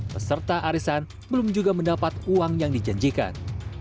peserta arisan belum juga mendapat uang yang dijanjikan